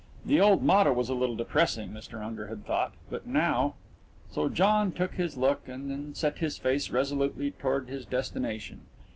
The old motto was a little depressing, Mr. Unger had thought but now .... So John took his look and then set his face resolutely toward his destination.